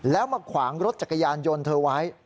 แล้วมาขวางรถจักรยานยนต์เธอไว้